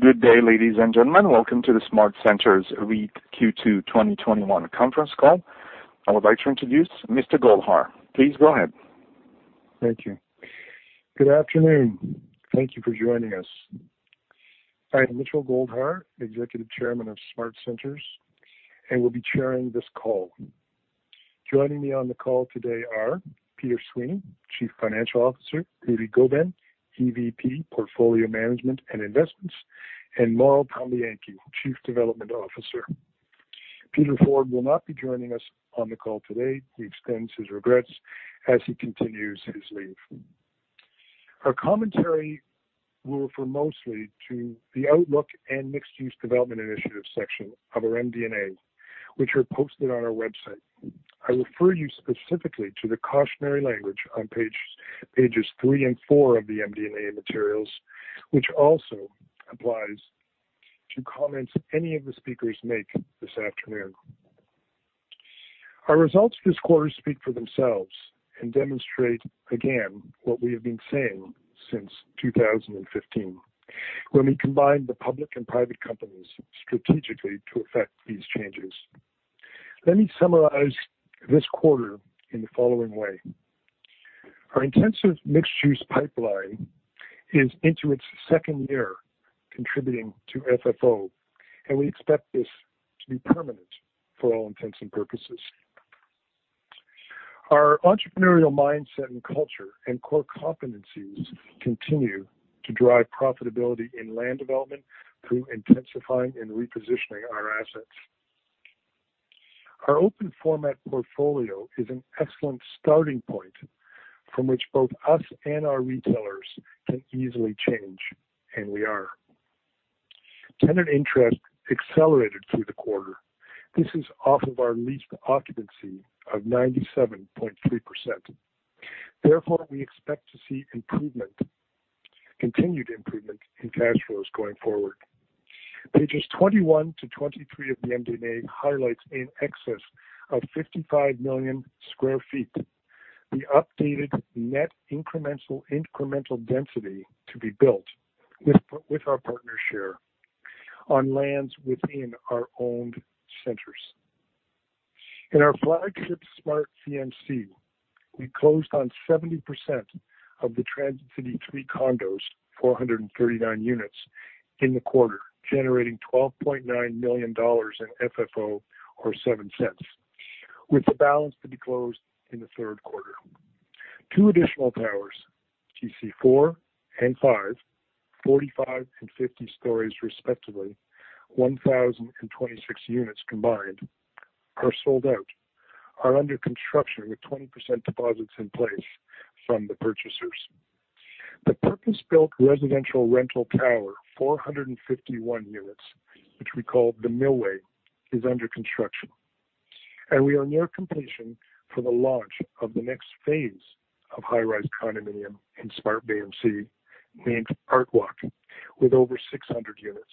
Good day, ladies and gentlemen. Welcome to the SmartCentres REIT Q2 2021 conference call. I would like to introduce Mr. Goldhar. Please go ahead. Thank you. Good afternoon. Thank you for joining us. I am Mitchell Goldhar, Executive Chairman of SmartCentres, and will be chairing this call. Joining me on the call today are Peter Sweeney, Chief Financial Officer, Rudy Gobin, EVP, Portfolio Management and Investments, and Laurel Palmiyanqi, Chief Development Officer. Peter Forde will not be joining us on the call today. He extends his regrets as he continues his leave. Our commentary will refer mostly to the outlook and mixed-use development initiative section of our MD&A, which are posted on our website. I refer you specifically to the cautionary language on pages three and four of the MD&A materials, which also applies to comments any of the speakers make this afternoon. Our results this quarter speak for themselves and demonstrate again what we have been saying since 2015 when we combined the public and private companies strategically to effect these changes. Let me summarize this quarter in the following way. Our intensive mixed-use pipeline is into its second year contributing to FFO, and we expect this to be permanent, for all intents and purposes. Our entrepreneurial mindset and culture and core competencies continue to drive profitability in land development through intensifying and repositioning our assets. Our open format portfolio is an excellent starting point from which both us and our retailers can easily change. We are. Tenant interest accelerated through the quarter. This is off of our leased occupancy of 97.3%. Therefore, we expect to see continued improvement in cash flows going forward. Pages 21 to 23 of the MD&A highlights in excess of 55 million sq ft the updated net incremental density to be built with our partner share on lands within our owned centers. In our flagship SmartVMC, we closed on 70% of the Transit City three condos, 439 units in the quarter, generating 12.9 million dollars in FFO, or 0.07, with the balance to be closed in the third quarter. Two additional towers, TC4 and TC5, 45 and 50 stories respectively, 1,026 units combined, are sold out, under construction with 20% deposits in place from the purchasers. The purpose-built residential rental tower, 451 units, which we call The Millway, is under construction. We are near completion for the launch of the next phase of high-rise condominium in SmartVMC, named ArtWalk, with over 600 units.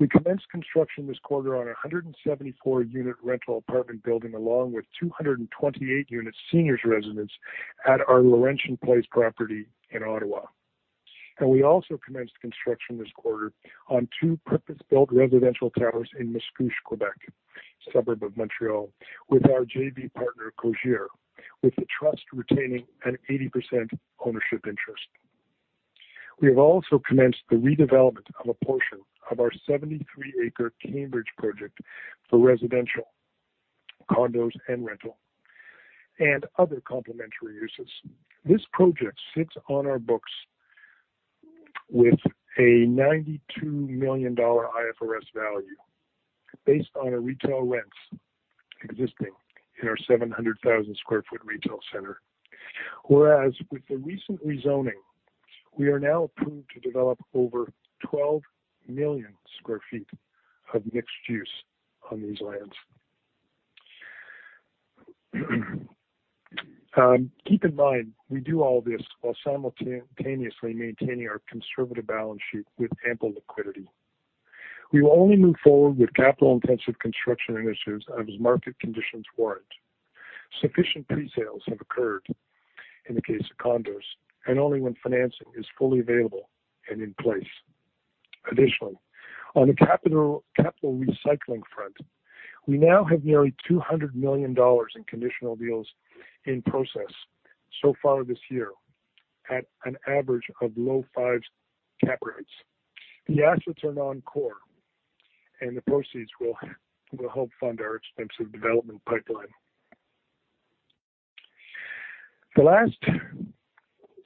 We commenced construction this quarter on 174-unit rental apartment building along with 228 units seniors residence at our Laurentian Place property in Ottawa. We also commenced construction this quarter on two purpose-built residential towers in Mascouche, Quebec, suburb of Montreal, with our JV partner, Cogir, with the trust retaining an 80% ownership interest. We have also commenced the redevelopment of a portion of our 73-acre Cambridge project for residential condos and rental and other complementary uses. This project sits on our books with a 92 million dollar IFRS value based on a retail rents existing in our 700,000 sq ft retail center. Whereas with the recent rezoning, we are now approved to develop over 12 million sq ft of mixed use on these lands. Keep in mind, we do all this while simultaneously maintaining our conservative balance sheet with ample liquidity. We will only move forward with capital intensive construction initiatives as market conditions warrant. Sufficient pre-sales have occurred in the case of condos, and only when financing is fully available and in place. Additionally, on the capital recycling front, we now have nearly 200 million dollars in conditional deals in process so far this year at an average of low fives cap rates. The assets are non-core, and the proceeds will help fund our extensive development pipeline. The last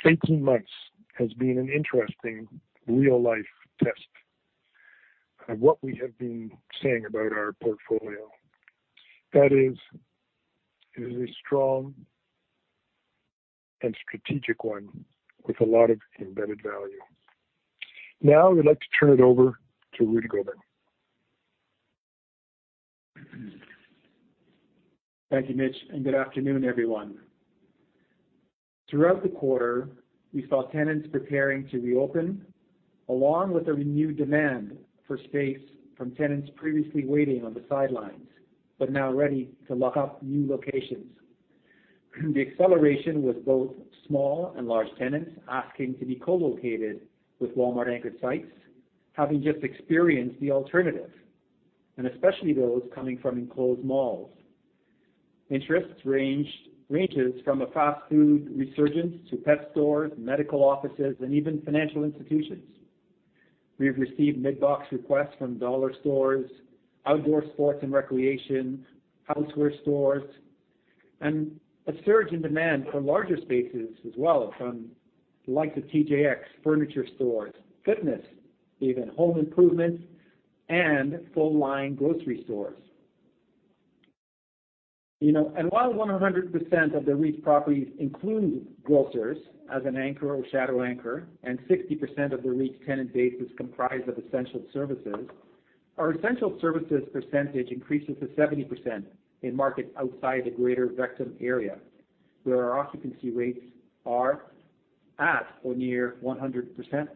18 months has been an interesting real-life test of what we have been saying about our portfolio. That is, it is a strong and strategic one with a lot of embedded value. Now I would like to turn it over to Rudy Gobin. Thank you, Mitch, and good afternoon, everyone. Throughout the quarter, we saw tenants preparing to reopen, along with a renewed demand for space from tenants previously waiting on the sidelines, but now ready to lock up new locations. The acceleration with both small and large tenants asking to be co-located with Walmart anchored sites, having just experienced the alternative, and especially those coming from enclosed malls. Interest ranges from a fast food resurgence to pet stores, medical offices, and even financial institutions. We have received mid-box requests from dollar stores, outdoor sports and recreation, houseware stores, and a surge in demand for larger spaces as well from the likes of TJX, furniture stores, fitness even, home improvement and full line grocery stores. While 100% of the REIT properties include grocers as an anchor or shadow anchor, and 60% of the REIT tenant base is comprised of essential services, our essential services percentage increases to 70% in markets outside the Greater Vancouver area, where our occupancy rates are at or near 100%.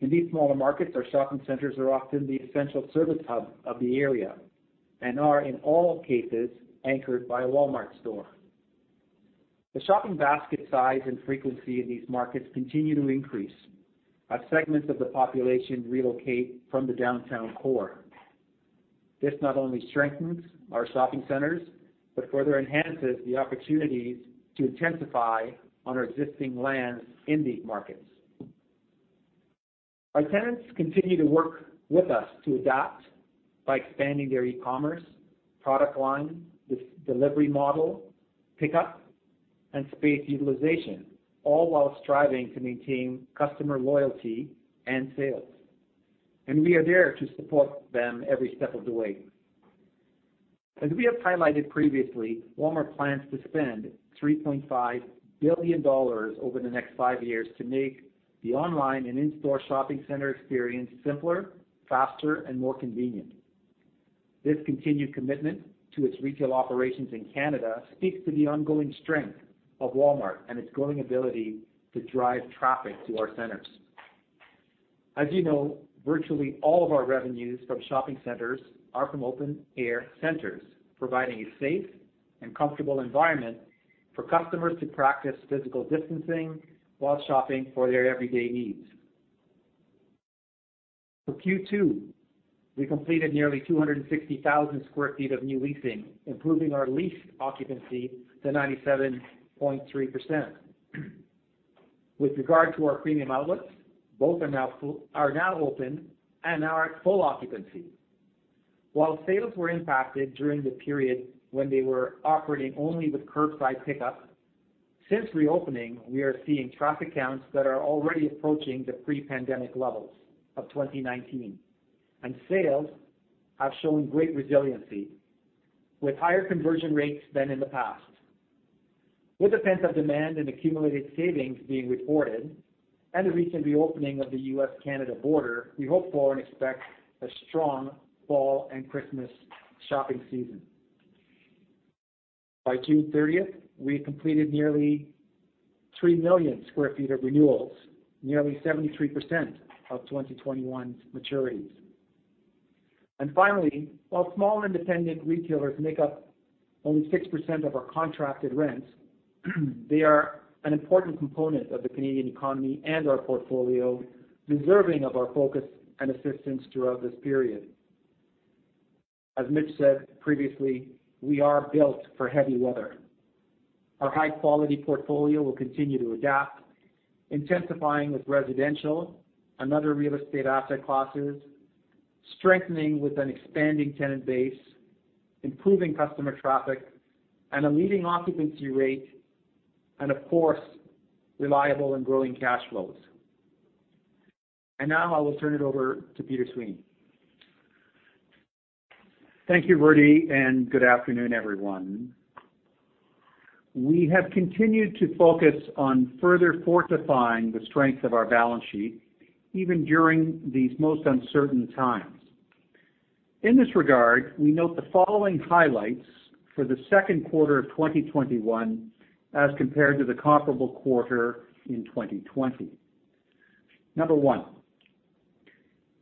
In these smaller markets, our shopping centers are often the essential service hub of the area and are in all cases anchored by a Walmart store. The shopping basket size and frequency in these markets continue to increase as segments of the population relocate from the downtown core. This not only strengthens our shopping centers but further enhances the opportunities to intensify on our existing lands in these markets. Our tenants continue to work with us to adapt by expanding their e-commerce, product line, delivery model, pickup, and space utilization, all while striving to maintain customer loyalty and sales. We are there to support them every step of the way. As we have highlighted previously, Walmart plans to spend 3.5 billion dollars over the next five years to make the online and in-store shopping center experience simpler, faster, and more convenient. This continued commitment to its retail operations in Canada speaks to the ongoing strength of Walmart and its growing ability to drive traffic to our centers. As you know, virtually all of our revenues from shopping centers are from open air centers, providing a safe and comfortable environment for customers to practice physical distancing while shopping for their everyday needs. For Q2, we completed nearly 260,000 sq ft of new leasing, improving our lease occupancy to 97.3%. With regard to our premium outlets, both are now open and are at full occupancy. While sales were impacted during the period when they were operating only with curbside pickup, since reopening, we are seeing traffic counts that are already approaching the pre-pandemic levels of 2019. Sales have shown great resiliency with higher conversion rates than in the past. With the pent-up demand and accumulated savings being reported and the recent reopening of the U.S.-Canada border, we hope for and expect a strong fall and Christmas shopping season. By June 30th, we had completed nearly three million sq ft of renewals, nearly 73% of 2021's maturities. Finally, while small independent retailers make up only 6% of our contracted rents, they are an important component of the Canadian economy and our portfolio, deserving of our focus and assistance throughout this period. As Mitch said previously, we are built for heavy weather. Our high-quality portfolio will continue to adapt, intensifying with residential and other real estate asset classes, strengthening with an expanding tenant base, improving customer traffic and a leading occupancy rate, and of course, reliable and growing cash flows. Now I will turn it over to Peter Sweeney. Thank you, Rudy. Good afternoon, everyone. We have continued to focus on further fortifying the strength of our balance sheet, even during these most uncertain times. In this regard, we note the following highlights for the second quarter of 2021 as compared to the comparable quarter in 2020. Number 1,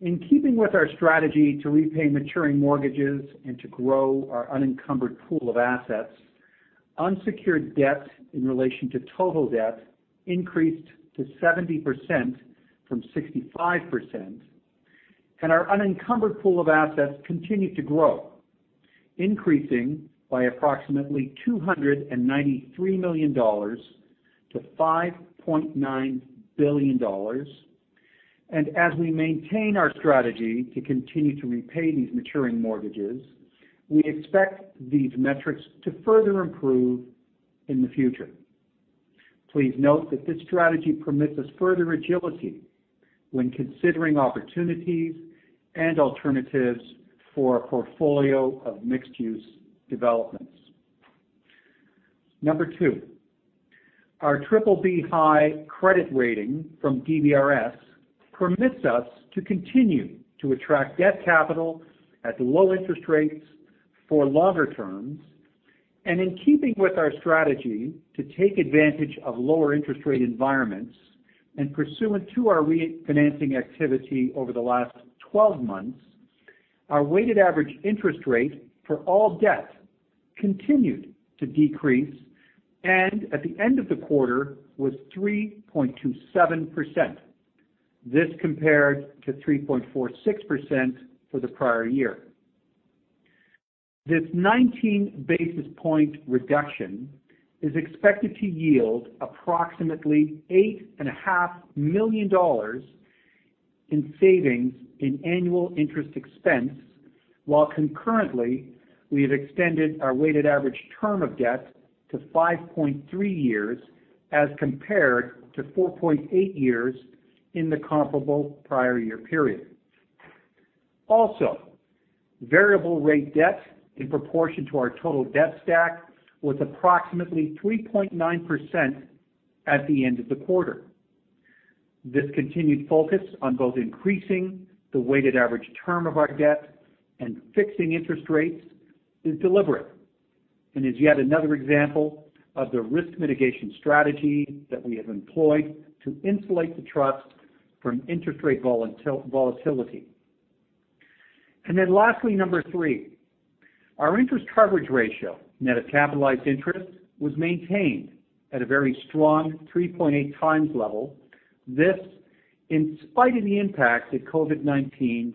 in keeping with our strategy to repay maturing mortgages and to grow our unencumbered pool of assets, unsecured debt in relation to total debt increased to 70% from 65%. Our unencumbered pool of assets continued to grow, increasing by approximately 293 million dollars to 5.9 billion dollars. As we maintain our strategy to continue to repay these maturing mortgages, we expect these metrics to further improve in the future. Please note that this strategy permits us further agility when considering opportunities and alternatives for a portfolio of mixed-use developments. Number two, our BBB high credit rating from DBRS permits us to continue to attract debt capital at low interest rates for longer terms. In keeping with our strategy to take advantage of lower interest rate environments and pursuant to our refinancing activity over the last 12 months, our weighted average interest rate for all debt continued to decrease and at the end of the quarter was 3.27%. This compared to 3.46% for the prior year. This 19-basis-point reduction is expected to yield approximately 8.5 million dollars in savings in annual interest expense, while concurrently, we have extended our weighted average term of debt to 5.3 years as compared to 4.8 years in the comparable prior year period. Variable rate debt in proportion to our total debt stack was approximately 3.9% at the end of the quarter. This continued focus on both increasing the weighted average term of our debt and fixing interest rates is deliberate and is yet another example of the risk mitigation strategy that we have employed to insulate the trust from interest rate volatility. Lastly, number three, our interest coverage ratio, net of capitalized interest, was maintained at a very strong 3.8 times level. This, in spite of the impact that COVID-19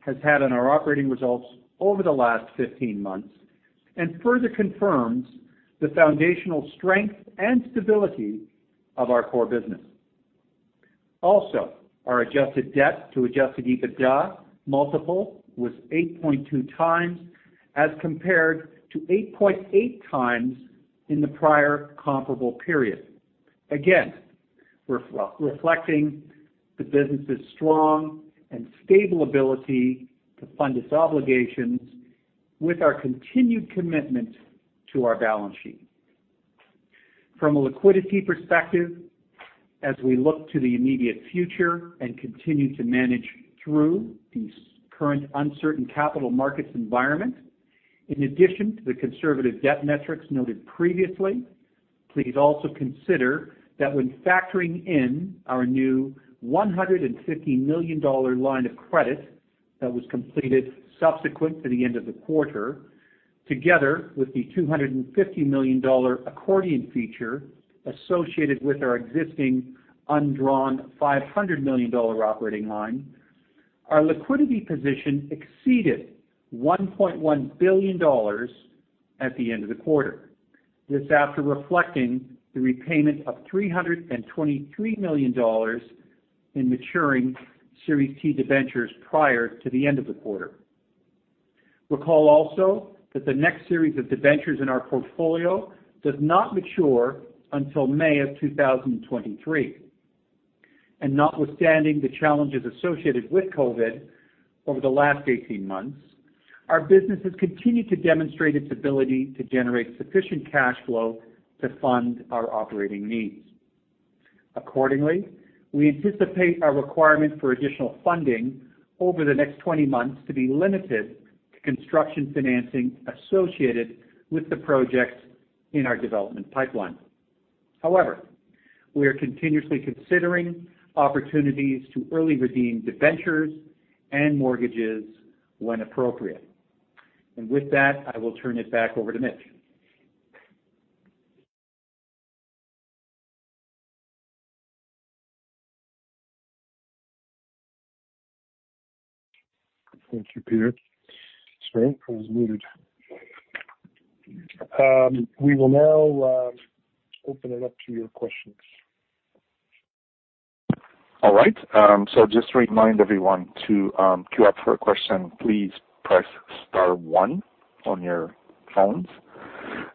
has had on our operating results over the last 15 months and further confirms the foundational strength and stability of our core business. Also, our adjusted debt to adjusted EBITDA multiple was 8.2 times, as compared to 8.8 times in the prior comparable period. Again, reflecting the business's strong and stable ability to fund its obligations with our continued commitment to our balance sheet. From a liquidity perspective, as we look to the immediate future and continue to manage through the current uncertain capital markets environment, in addition to the conservative debt metrics noted previously, please also consider that when factoring in our new 150 million dollar line of credit that was completed subsequent to the end of the quarter, together with the 250 million dollar accordion feature associated with our existing undrawn 500 million dollar operating line, our liquidity position exceeded 1.1 billion dollars at the end of the quarter. This after reflecting the repayment of 323 million dollars in maturing Series T debentures prior to the end of the quarter. Recall also that the next series of debentures in our portfolio does not mature until May 2023. Notwithstanding the challenges associated with COVID over the last 18 months, our business has continued to demonstrate its ability to generate sufficient cash flow to fund our operating needs. Accordingly, we anticipate our requirement for additional funding over the next 20 months to be limited to construction financing associated with the projects in our development pipeline. However, we are continuously considering opportunities to early redeem debentures and mortgages when appropriate. With that, I will turn it back over to Mitch. Thank you, Peter. Sorry, I was muted. We will now open it up to your questions. Just to remind everyone to queue up for a question, please press star one on your phones.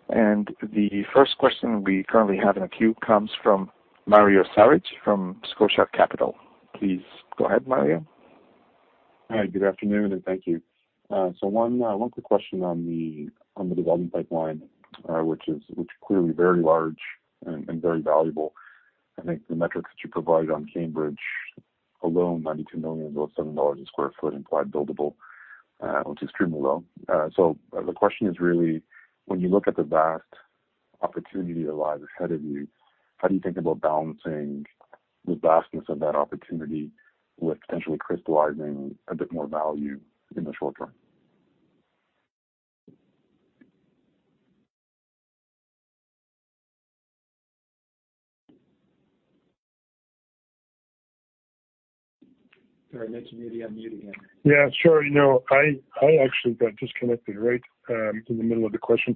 The first question we currently have in the queue comes from Mario Saric from Scotia Capital. Please go ahead, Mario. Hi, good afternoon, and thank you. One quick question on the development pipeline, which is clearly very large and very valuable. I think the metrics that you provided on Cambridge alone, CAD 92 million, about 7 dollars sq ft implied buildable, which is extremely low. The question is really, when you look at the vast opportunity that lies ahead of you, how do you think about balancing the vastness of that opportunity with potentially crystallizing a bit more value in the short term? Sorry, Mitch, maybe unmute again. Yeah, sure. I actually got disconnected right in the middle of the question.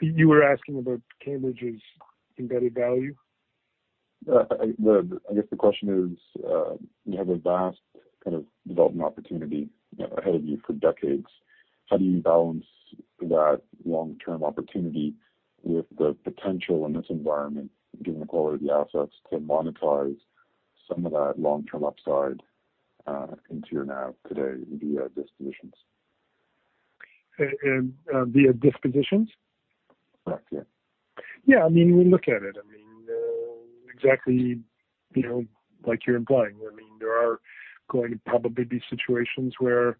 You were asking about Cambridge's embedded value? I guess the question is, you have a vast kind of development opportunity ahead of you for decades. How do you balance that long-term opportunity with the potential in this environment, given the quality of the assets, to monetize some of that long-term upside into your NAV today via dispositions? Via dispositions? Correct, yeah. Yeah, we look at it. Exactly like you're implying. There are going to probably be situations where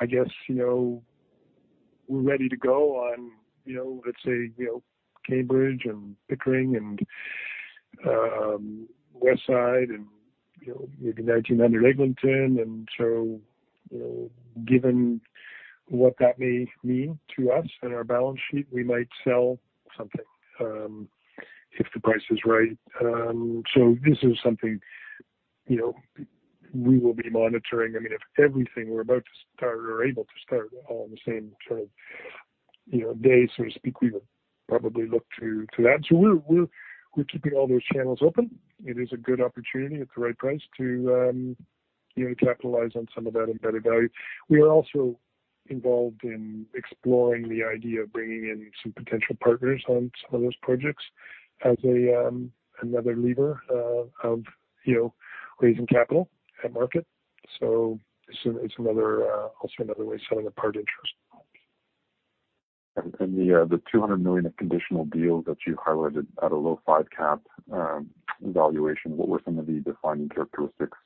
we're ready to go on, let's say, Cambridge and Pickering and West side and maybe 1900 Eglinton. Given what that may mean to us and our balance sheet, we might sell something if the price is right. This is something we will be monitoring. If everything we're about to start or are able to start all on the same day, so to speak, we will probably look to that. We're keeping all those channels open. It is a good opportunity at the right price to capitalize on some of that embedded value. We are also involved in exploring the idea of bringing in some potential partners on some of those projects as another lever of raising capital at market. It's also another way of selling a part interest. The 200 million of conditional deals that you highlighted at a low five cap valuation, what were some of the defining characteristics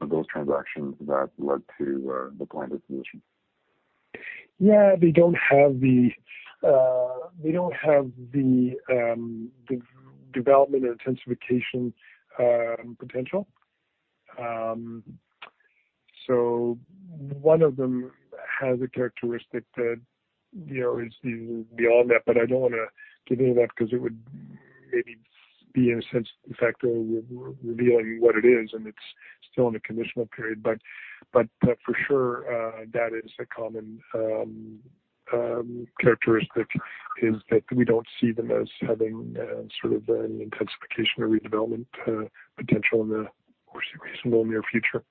of those transactions that led to the blinded solution? Yeah, they don't have the development intensification potential. One of them has a characteristic that is even beyond that, but I don't want to give away that because it would maybe be, in a sense, effectively revealing what it is, and it's still in the conditional period. For sure, that is a common characteristic, is that we don't see them as having any intensification or redevelopment potential in the foreseeable near future.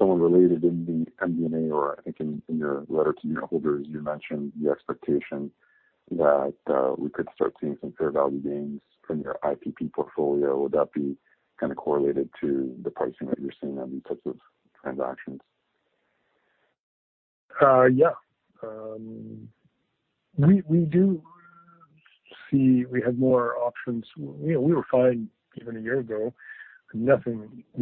Maybe somewhat related in the MD&A, or I think in your letter to unitholders, you mentioned the expectation that we could start seeing some fair value gains from your IPP portfolio. Would that be kind of correlated to the pricing that you're seeing on these types of transactions? Yeah. We do see we have more options. We were fine even a year ago. We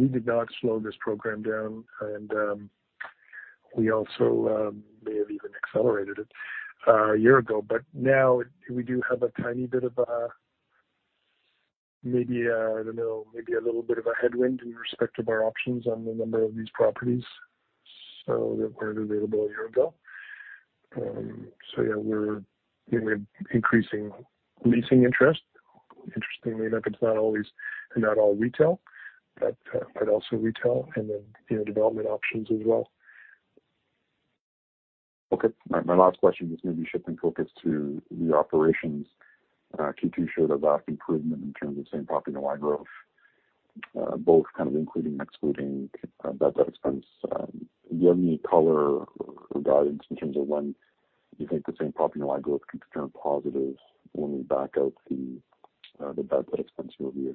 did not slow this program down, and we also may have even accelerated it a year ago. Now we do have a tiny bit of a, maybe, I don't know, maybe a little bit of a headwind in respect of our options on the number of these properties that weren't available a year ago. Yeah, we have increasing leasing interest. Interestingly enough, it's not all retail, but also retail and then development options as well. My last question is maybe shifting focus to the operations. Q2 showed a vast improvement in terms of same-property NOI growth, both kind of including, excluding bad debt expense. Do you have any color or guidance in terms of when you think the same-property NOI growth could turn positive when we back out the bad debt expense year-over-year? Rudy, you want to take a shot at that? Yeah.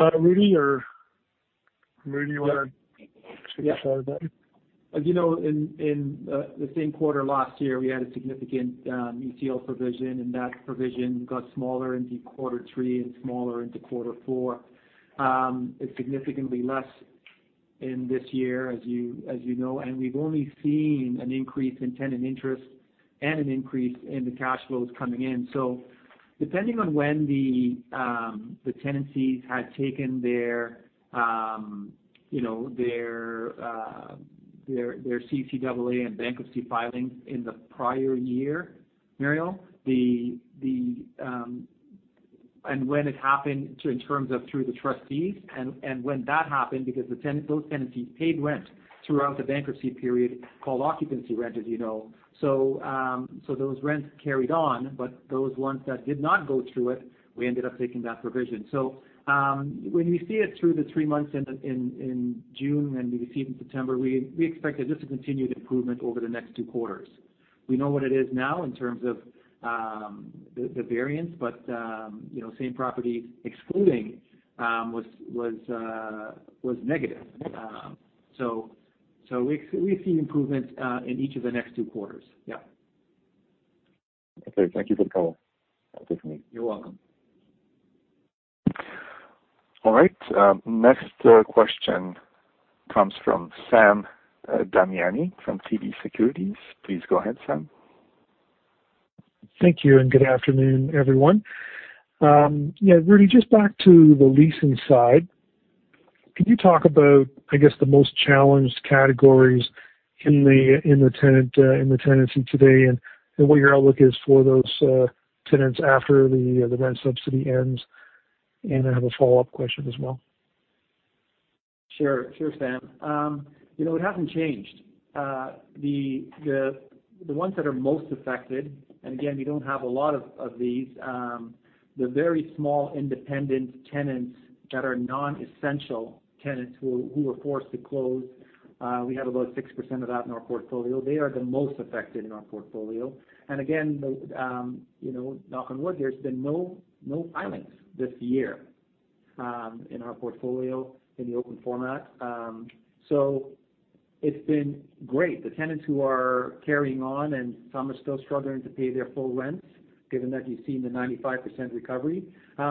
As you know, in the same quarter last year, we had a significant ECL provision, and that provision got smaller into quarter three and smaller into quarter four. It's significantly less in this year, as you know, and we've only seen an increase in tenant interest and an increase in the cash flows coming in. Depending on when the tenancies had taken their CCAA and bankruptcy filings in the prior year, Mario, and when it happened in terms of through the trustees, and when that happened because those tenancies paid rent throughout the bankruptcy period, called occupancy rent, as you know. Those rents carried on, but those ones that did not go through it, we ended up taking that provision. When we see it through the three months in June and we see it in September, we expect that this will continue the improvement over the next two quarters. We know what it is now in terms of the variance. Same property excluding was negative. We see improvement in each of the next two quarters. Okay. Thank you for the color. That's it for me. You're welcome. All right. Next question comes from Sam Damiani from TD Securities. Please go ahead, Sam. Thank you. Good afternoon, everyone. Rudy, just back to the leasing side. Could you talk about, I guess, the most challenged categories in the tenancy today and what your outlook is for those tenants after the rent subsidy ends? I have a follow-up question as well. Sure, Sam. It hasn't changed. The ones that are most affected, and again, we don't have a lot of these, the very small independent tenants that are non-essential tenants who were forced to close. We have about 6% of that in our portfolio. They are the most affected in our portfolio. Again, knock on wood, there's been no filings this year in our portfolio in the open format. It's been great. The tenants who are carrying on, and some are still struggling to pay their full rents, given that you've seen the 95% recovery.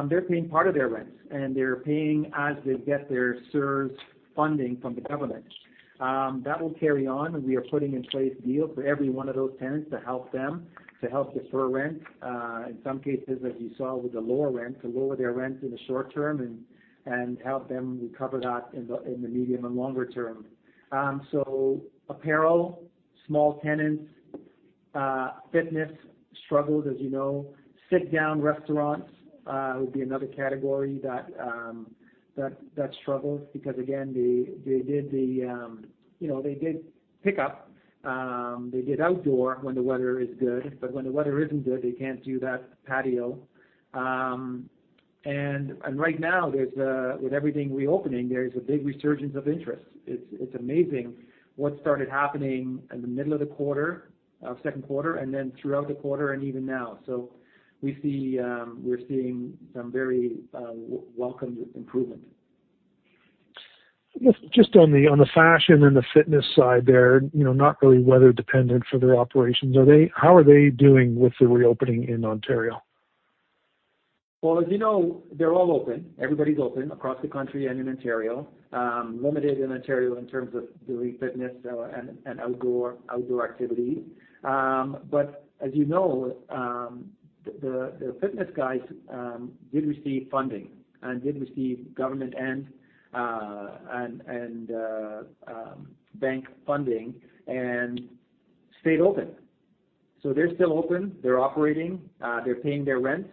They're paying part of their rents, and they're paying as they get their CERS funding from the government. That will carry on, and we are putting in place deals for every one of those tenants to help them, to help defer rent. In some cases, as you saw with the lower rent, to lower their rent in the short term and help them recover that in the medium and longer term. Apparel, small tenants, fitness struggled, as you know. Sit-down restaurants would be another category that struggles because, again, they did pickup. They did outdoor when the weather is good, but when the weather isn't good, they can't do that patio. Right now, with everything reopening, there is a big resurgence of interest. It's amazing what started happening in the middle of the second quarter, and then throughout the quarter and even now. We're seeing some very welcomed improvement. Just on the fashion and the fitness side there, not really weather dependent for their operations. How are they doing with the reopening in Ontario? As you know, they're all open. Everybody's open across the country and in Ontario. Limited in Ontario in terms of doing fitness and outdoor activities. As you know, the fitness guys did receive funding and did receive government and bank funding and stayed open. They're still open. They're operating. They're paying their rents.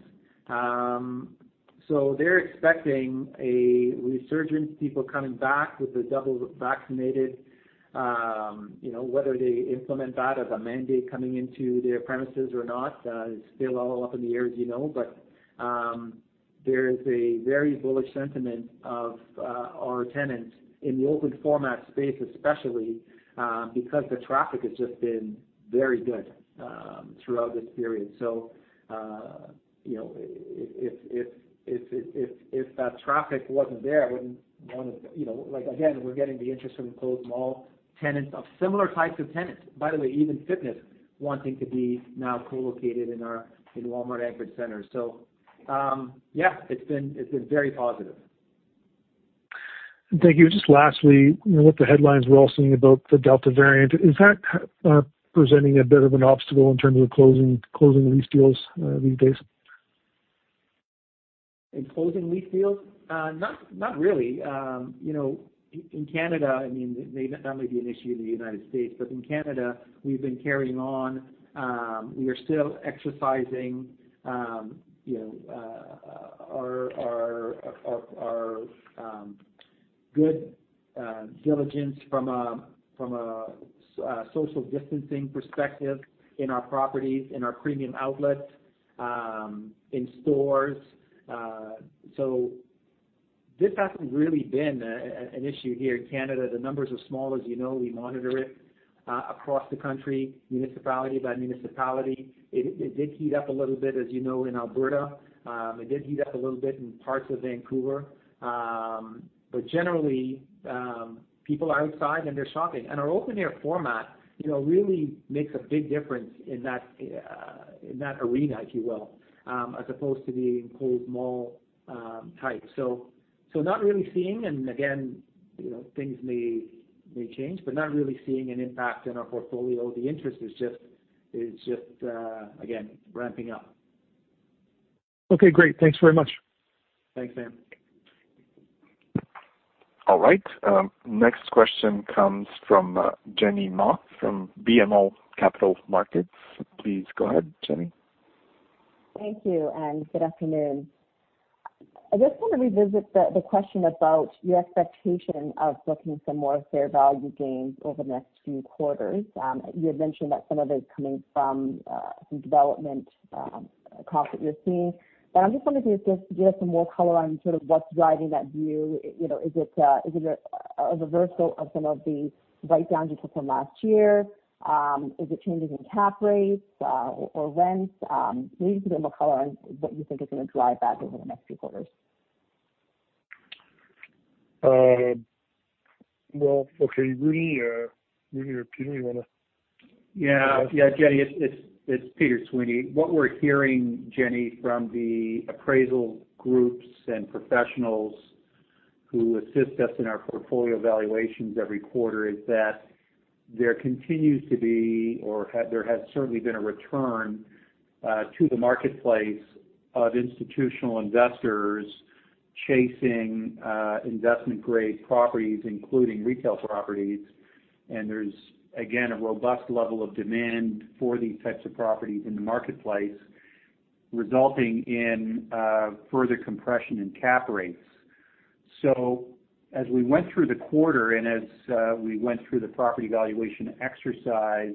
They're expecting a resurgence, people coming back with the double vaccinated. Whether they implement that as a mandate coming into their premises or not is still all up in the air, as you know. There is a very bullish sentiment of our tenants in the open format space, especially because the traffic has just been very good throughout this period. If that traffic wasn't there, again, we're getting the interest from closed mall tenants of similar types of tenants. By the way, even fitness wanting to be now co-located in Walmart anchored centers. Yeah, it's been very positive. Thank you. Just lastly, with the headlines we're all seeing about the Delta variant, is that presenting a bit of an obstacle in terms of closing lease deals these days? In closing lease deals? Not really. In Canada, that may be an issue in the U.S., but in Canada, we've been carrying on. We are still exercising our good diligence from a social distancing perspective in our properties, in our premium outlets, in stores. This hasn't really been an issue here in Canada. The numbers are small as you know. We monitor it across the country, municipality by municipality. It did heat up a little bit, as you know, in Alberta. It did heat up a little bit in parts of Vancouver. Generally, people are outside, and they're shopping. Our open air format really makes a big difference in that arena, if you will, as opposed to the enclosed mall type. Not really seeing, and again, things may change, but not really seeing an impact in our portfolio. The interest is just, again, ramping up. Okay, great. Thanks very much. Thanks, Sam. All right. Next question comes from Jenny Ma from BMO Capital Markets. Please go ahead, Jenny. Thank you, and good afternoon. I just want to revisit the question about your expectation of booking some more fair value gains over the next few quarters. You had mentioned that some of it is coming from some development costs that you're seeing, but I'm just wondering if you could give us some more color on sort of what's driving that view. Is it a reversal of some of the write-downs you took from last year? Is it changes in cap rates or rents? Maybe just a bit more color on what you think is going to drive that over the next few quarters. Well, okay. Rudy or Peter, you want to? Yeah. Jenny, it's Peter Sweeney. What we're hearing, Jenny, from the appraisal groups and professionals who assist us in our portfolio valuations every quarter is that there continues to be, or there has certainly been a return to the marketplace of institutional investors chasing investment-grade properties, including retail properties. There's, again, a robust level of demand for these types of properties in the marketplace, resulting in further compression in cap rates. As we went through the quarter and as we went through the property valuation exercise,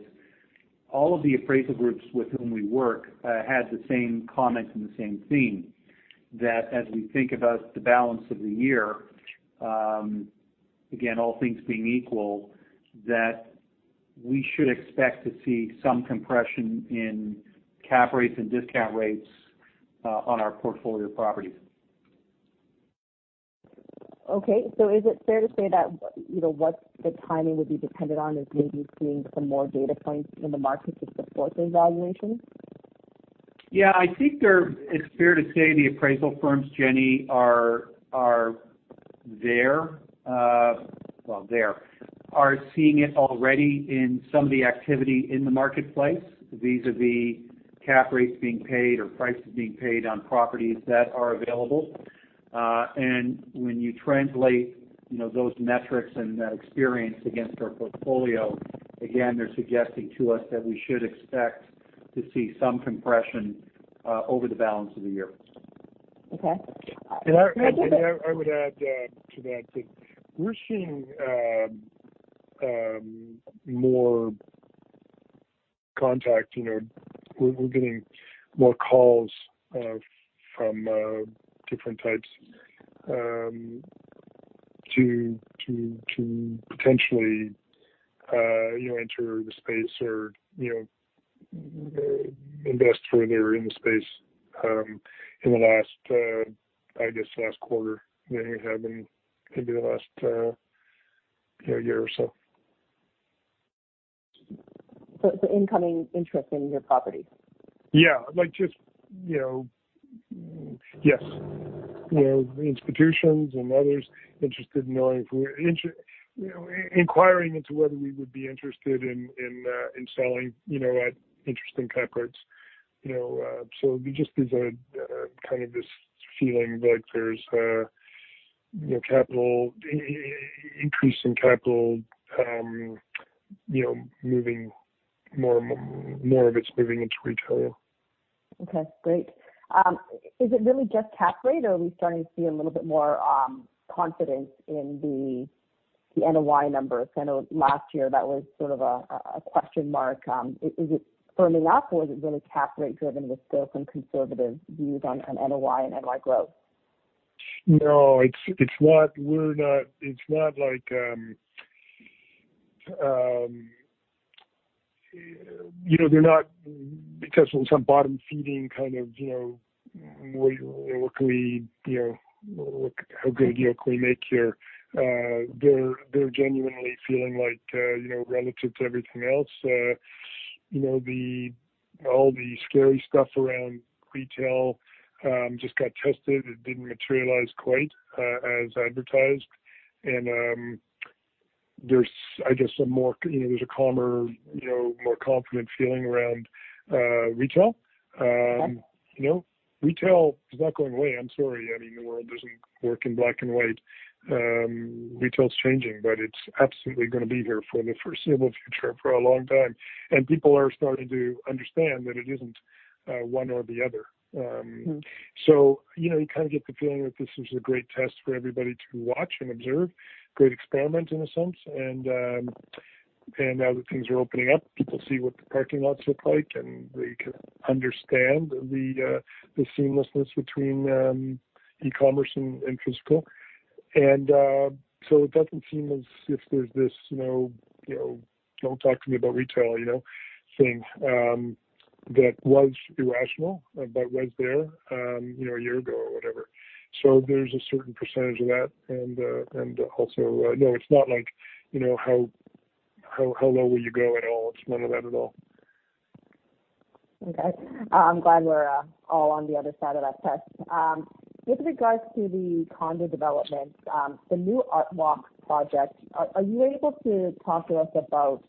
all of the appraisal groups with whom we work had the same comments and the same theme. That as we think about the balance of the year, again, all things being equal, that we should expect to see some compression in cap rates and discount rates on our portfolio properties. Okay. Is it fair to say that what the timing would be dependent on is maybe seeing some more data points in the markets to support those valuations? I think it's fair to say the appraisal firms, Jenny, are seeing it already in some of the activity in the marketplace. These are the cap rates being paid or prices being paid on properties that are available. When you translate those metrics and that experience against our portfolio, again, they're suggesting to us that we should expect to see some compression over the balance of the year. Okay. I would add to that, we're seeing more contact. We're getting more calls from different types to potentially enter the space or invest further in the space in, I guess, the last quarter than we have in maybe the last year or so. Incoming interest in your properties? Yeah. Yes. Institutions and others inquiring into whether we would be interested in selling at interesting cap rates. There's kind of this feeling like there's an increase in capital, more of it's moving into retail. Okay, great. Is it really just cap rate, or are we starting to see a little bit more confidence in the NOI numbers? I know last year that was sort of a question mark. Is it firming up or is it really cap rate driven with still some conservative views on NOI and NOI growth? No. On some bottom-feeding kind of, how good a deal can we make here, they're genuinely feeling like, relative to everything else, all the scary stuff around retail just got tested. It didn't materialize quite as advertised. There's, I guess, a calmer, more confident feeling around retail. Okay. Retail is not going away. I'm sorry. The world doesn't work in black and white. Retail's changing, but it's absolutely going to be here for the foreseeable future, for a long time. People are starting to understand that it isn't one or the other. You kind of get the feeling that this was a great test for everybody to watch and observe, a great experiment in a sense. Now that things are opening up, people see what the parking lots look like, and they can understand the seamlessness between e-commerce and in-store. It doesn't seem as if there's this, "Don't talk to me about retail" thing that was irrational but was there a year ago or whatever. There's a certain percentage of that. Also, no, it's not like, how low will you go at all? It's none of that at all. Okay. I'm glad we're all on the other side of that test. With regards to the condo developments, the new ArtWalk project, are you able to talk to us about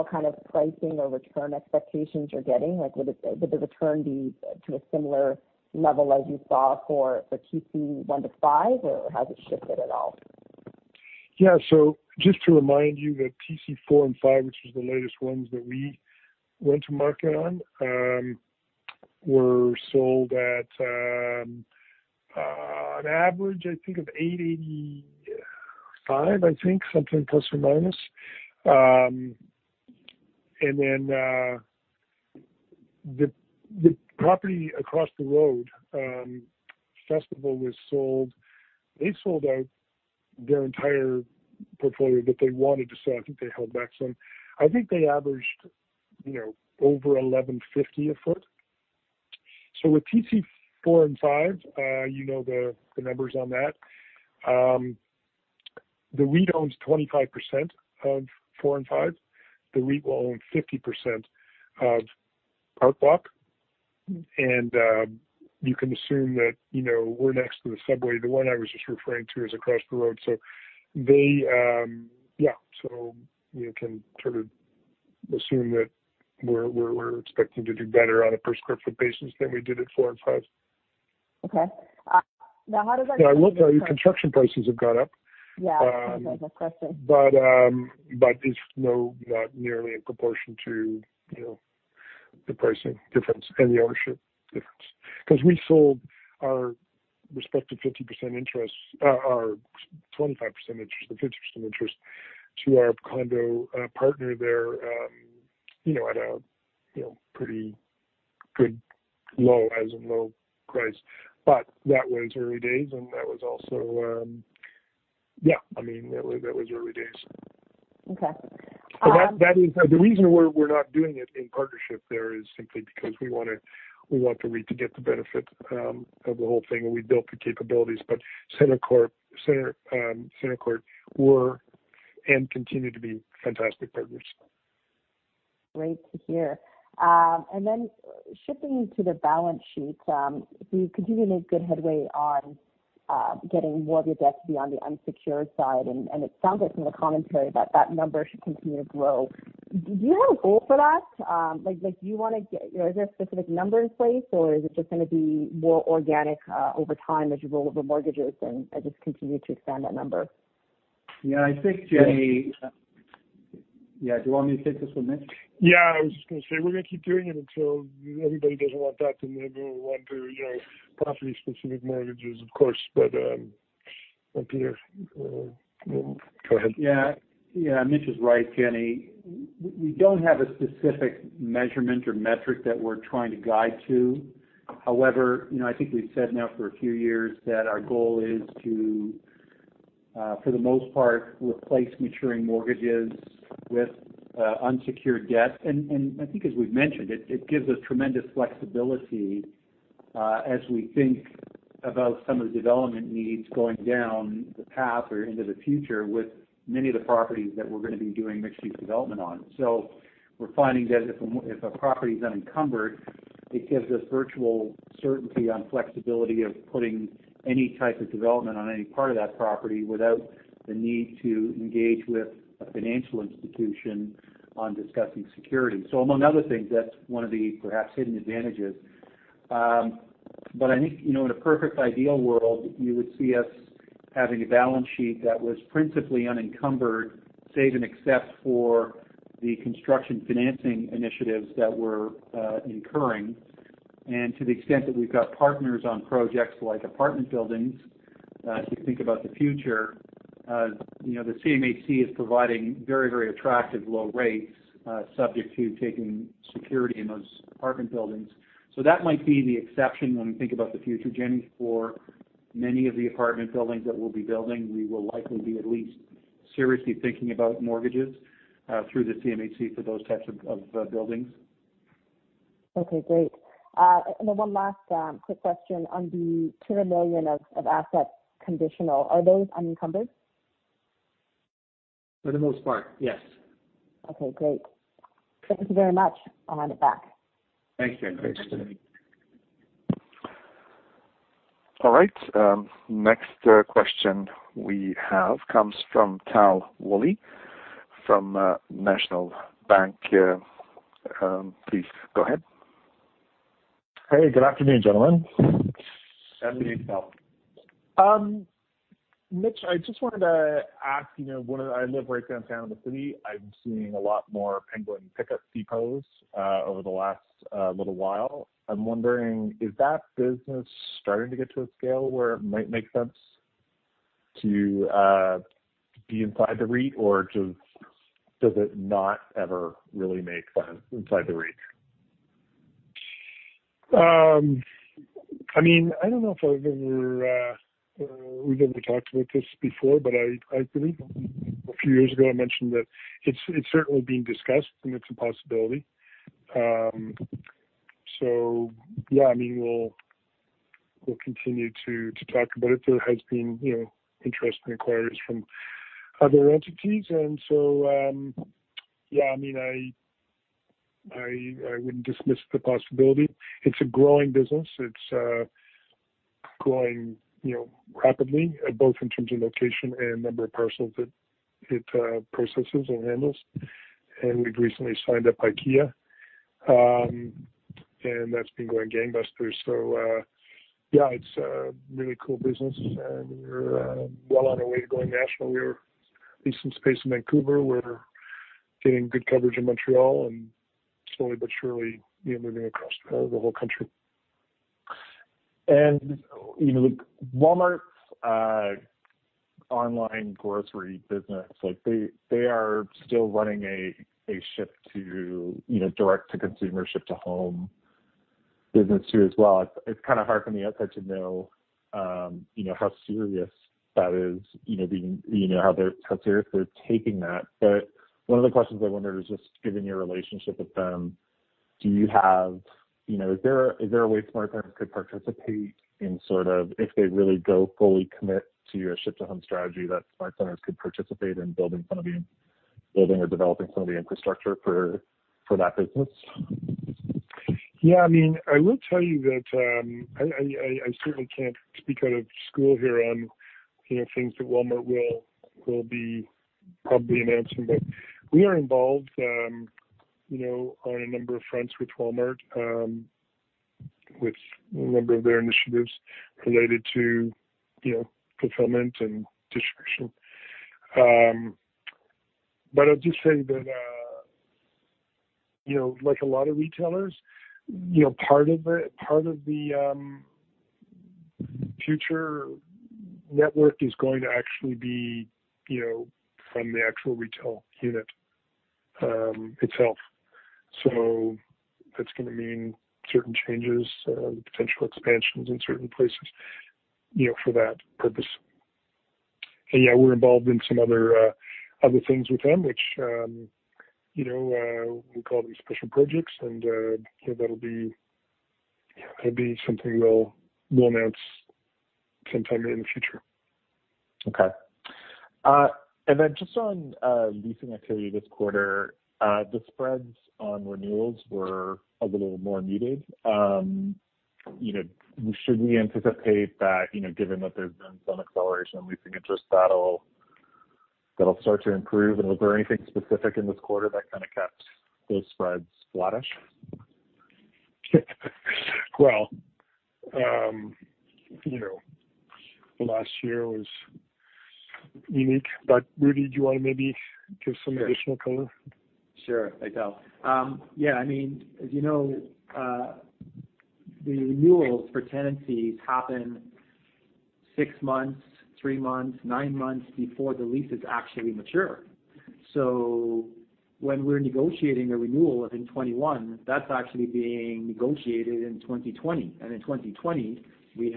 what kind of pricing or return expectations you're getting? Would the return be to a similar level as you saw for the TC-1 to 5, or has it shifted at all? Yeah. Just to remind you that TC-4 and 5, which was the latest ones that we went to market on, were sold at an average, I think, of 885, I think, something ±. The property across the road, Festival, they sold out their entire portfolio that they wanted to sell. I think they held back some. I think they averaged over 1,150 a foot. With TC-4 and 5, you know the numbers on that. The REIT owns 25% of four and five. The REIT will own 50% of ArtWalk. You can assume that we're next to the subway. The one I was just referring to is across the road. You can sort of assume that we're expecting to do better on a per square foot basis than we did at four and five. Okay. Yeah, look, our construction prices have gone up. Yeah. That's interesting. It's not nearly in proportion to the pricing difference and the ownership difference. We sold our respective 25% interest to our condo partner there at a pretty good low, as in low price. That was early days and that was also Yeah, that was early days. Okay. The reason we're not doing it in partnership there is simply because we want the REIT to get the benefit of the whole thing, and we built the capabilities. CentreCourt were and continue to be fantastic partners. Great to hear. Shifting to the balance sheet. You continue to make good headway on getting more of your debt to be on the unsecured side, and it sounds like from the commentary that that number should continue to grow. Do you have a goal for that? Is there a specific number in place, or is it just going to be more organic over time as you roll over mortgages and just continue to expand that number? Yeah, I think, Yeah. Do you want me to take this one, Mitch? Yeah, I was just going to say, we're going to keep doing it until everybody doesn't want that and then we'll move on to property-specific mortgages, of course. Peter, go ahead. Yeah. Mitch is right, Jenny. We don't have a specific measurement or metric that we're trying to guide to. However, I think we've said now for a few years that our goal is to, for the most part, replace maturing mortgages with unsecured debt. I think, as we've mentioned, it gives us tremendous flexibility as we think about some of the development needs going down the path or into the future with many of the properties that we're going to be doing mixed-use development on. We're finding that if a property is unencumbered, it gives us virtual certainty on flexibility of putting any type of development on any part of that property without the need to engage with a financial institution on discussing security. Among other things, that's one of the perhaps hidden advantages. I think, in a perfect ideal world, you would see us having a balance sheet that was principally unencumbered, save and except for the construction financing initiatives that we're incurring. To the extent that we've got partners on projects like apartment buildings, if you think about the future, the CMHC is providing very, very attractive low rates, subject to taking security in those apartment buildings. That might be the exception when we think about the future, Jenny. For many of the apartment buildings that we'll be building, we will likely be at least seriously thinking about mortgages through the CMHC for those types of buildings. Okay, great. One last quick question on the 2 million of assets conditional. Are those unencumbered? For the most part, yes. Okay, great. Thank you very much. I'll hand it back. Thank you. Thanks, Jenny. All right. Next question we have comes from Tal Woolley from National Bank. Please go ahead. Hey, good afternoon, gentlemen. Afternoon, Tal. Mitch, I just wanted to ask, I live right downtown in the city. I'm seeing a lot more Penguin PickUp depots over the last little while. I'm wondering, is that business starting to get to a scale where it might make sense to be inside the REIT, or does it not ever really make sense inside the REIT? I don't know if we've ever talked about this before, but I believe a few years ago I mentioned that it's certainly being discussed, and it's a possibility. Yeah, we'll continue to talk about it. There has been interest and inquiries from other entities. Yeah, I wouldn't dismiss the possibility. It's a growing business. It's growing rapidly, both in terms of location and number of parcels that it processes and handles. We've recently signed up IKEA. That's been going gangbusters. Yeah, it's a really cool business, and we're well on our way to going national. We have a decent space in Vancouver. We're getting good coverage in Montreal. Slowly but surely, moving across the whole country. Walmart's online grocery business, they are still running a ship-to, direct-to-consumer, ship-to-home business too, as well. It's kind of hard from the outside to know how serious they're taking that. One of the questions I wonder is just given your relationship with them, is there a way SmartCentres could participate in sort of if they really go fully commit to a ship-to-home strategy that SmartCentres could participate in building or developing some of the infrastructure for that business? I will tell you that I certainly can't speak out of school here on things that Walmart will be probably announcing. We are involved on a number of fronts with Walmart, with a number of their initiatives related to fulfillment and distribution. I'll just say that, like a lot of retailers, part of the future network is going to actually be from the actual retail unit itself. That's going to mean certain changes, potential expansions in certain places for that purpose. We're involved in some other things with them, which we call these special projects, and That'd be something we'll announce sometime in the future. Okay. Just on leasing activity this quarter, the spreads on renewals were a little more muted. Should we anticipate that, given that there's been some acceleration in leasing interest, that'll start to improve? Was there anything specific in this quarter that kind of kept those spreads flattish? Well, the last year was unique, but Rudy, do you want to maybe give some additional color? Sure, hey Tal. Yeah, as you know, the renewals for tenancies happen six months, three months, nine months before the leases actually mature. When we're negotiating a renewal in 2021, that's actually being negotiated in 2020. In 2020, we